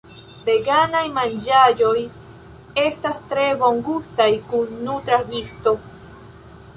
Veganaj manĝaĵoj estas tre bongustaj kun nutra gisto.